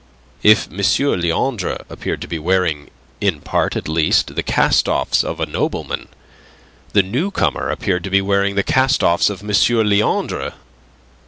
If M. Leandre appeared to be wearing, in part at least, the cast offs of nobleman, the newcomer appeared to be wearing the cast offs of M. Leandre.